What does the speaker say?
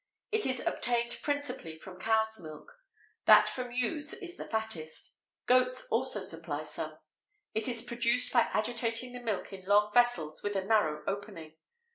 It is obtained principally from cows' milk; that from ewes is the fattest. Goats also supply some. It is produced by agitating the milk in long vessels with a narrow opening.